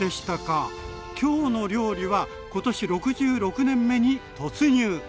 「きょうの料理」は今年６６年目に突入。